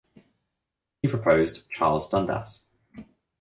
He proposed Charles Dundas.